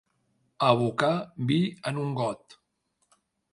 Abocar vi en un got.